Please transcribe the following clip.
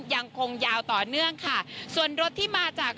ยังคงยาวต่อเนื่องค่ะส่วนรถที่มาจาก